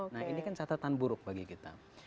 nah ini kan catatan buruk bagi kita